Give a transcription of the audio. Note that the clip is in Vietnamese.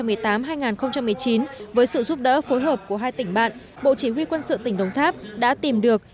mùa khô năm hai nghìn một mươi tám hai nghìn một mươi chín với sự giúp đỡ phối hợp của hai tỉnh bạn bộ chí huy quân sự tỉnh đồng tháp đã tìm được